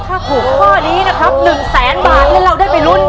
ถ้าถูกข้อนี้นะครับ๑แสนบาทให้เราได้ไปลุ้น